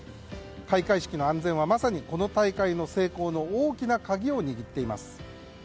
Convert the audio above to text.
開会式の安全はまさにこの大会の成功の大きな鍵を握っています。